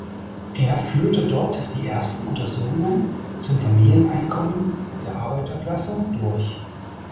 Er führte dort die ersten Untersuchungen zum Familieneinkommen der Arbeiterklasse durch.